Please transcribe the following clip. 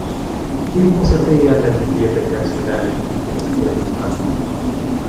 Il est conservé à la Bibliothèque nationale et universitaire de Strasbourg.